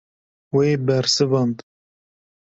Wê bersivand.